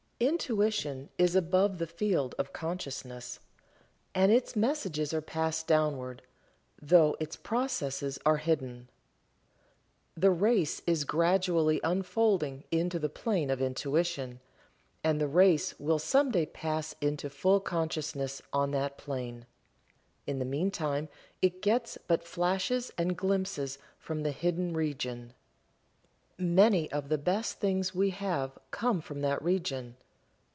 Intuition is above the field of consciousness, and its messages are passed downward, though its processes are hidden. The race is gradually unfolding into the plane of Intuition, and the race will some day pass into full consciousness on that plane. In the meantime it gets but flashes and glimpses from the hidden region. Many of the best things we have come from that region.